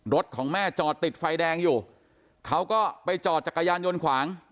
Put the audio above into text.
รถของแม่จอดติดไฟแดงอยู่เขาก็ไปจอดจักรยานยนต์ขวาง